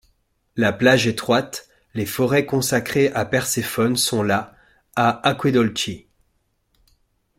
La plage étroite, les forêts consacrées à Persefone sont là, à Acquedolci.